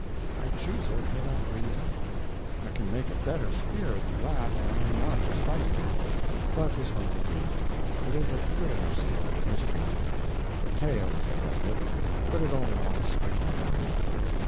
I choose it for that reason. I can make a better steer than that when I am not excited. But this one will do. It is a good enough steer for history. The tail is defective, but it only wants straightening out.